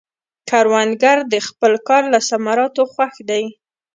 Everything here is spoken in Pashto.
کروندګر د خپل کار له ثمراتو خوښ دی